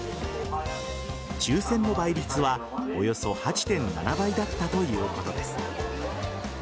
抽選の倍率はおよそ８．７倍だったということです。